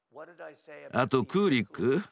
あとクーリック？